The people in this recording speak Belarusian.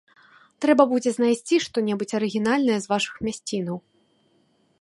Трэба будзе знайсці што-небудзь арыгінальнае з вашых мясцінаў.